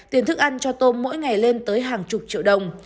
tiền thức ăn cho tôm mỗi ngày lên tới hàng chục triệu đồng